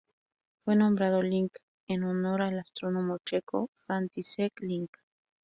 Fue nombrado Link en honor al astrónomo checo František Link.